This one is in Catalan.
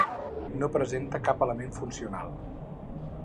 No presenta cap element funcional.